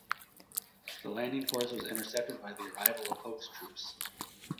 The landing force was intercepted by the arrival of Hoke's troops.